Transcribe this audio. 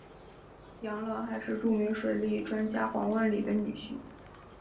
杨乐还是著名水利专家黄万里的女婿。